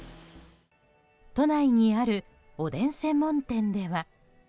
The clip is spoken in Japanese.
都内にあるおでん専門店では。